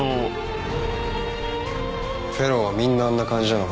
フェローはみんなあんな感じなのか？